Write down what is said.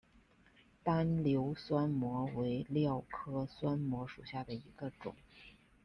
单瘤酸模为蓼科酸模属下的一个种。